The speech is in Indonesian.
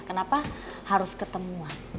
kenapa harus ketemuan